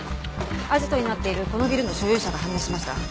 アジトになっているこのビルの所有者が判明しました。